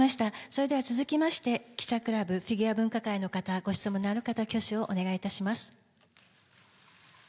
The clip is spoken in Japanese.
それでは続きまして、記者クラブ、フィギュアぶんか会の方、ご質問のある方、挙手をお願いいたします。